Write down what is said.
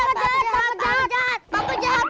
pak pejat pak pejat pak pejat